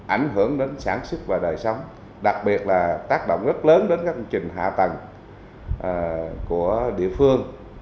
ảnh hưởng đến sản xuất và đời sống đặc biệt là tác động rất lớn đến các công trình hạ tầng của địa phương